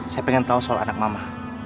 saya pengen tahu soal anak mama